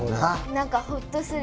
なんかホッとする。